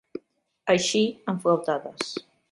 Eixir amb flautades.